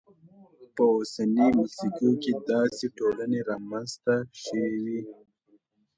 په اوسنۍ مکسیکو کې داسې ټولنې رامنځته شوې وې.